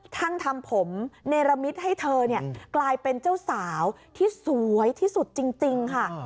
ทำผมเนรมิตให้เธอกลายเป็นเจ้าสาวที่สวยที่สุดจริงค่ะ